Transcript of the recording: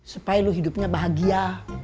supaya lu hidupnya bahagia